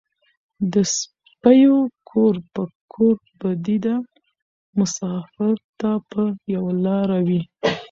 ـ د سپيو کور په کور بدي ده مسافر ته په يوه لار وي.